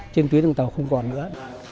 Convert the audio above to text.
trên tuyến đường tàu không còn nữa